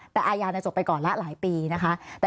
แต่อาญาจบไปก่อนละหลายปีนะคะ